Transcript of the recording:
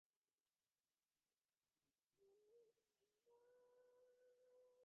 যদি ওরা এইদিকে গিয়ে থাকে, তাহলে, ওরা ইতিমধ্যেই মারা গেছে।